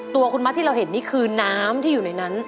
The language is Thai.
ตัวคุณมัดที่เราเห็นนี่คือน้ำที่อยู่ในนั้น